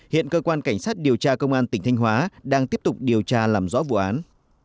hiện cơ quan cảnh sát điều tra công an tỉnh thanh hóa đang tiếp tục điều tra làm rõ vụ án